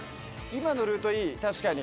今のルートいい確かに。